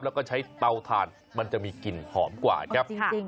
แล้วก็ใช้เตาทานมันจะมีกลิ่นหอมกว่าครับ